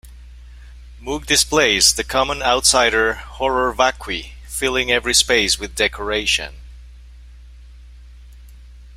Moog displays the common outsider "horror vacui," filling every space with decoration.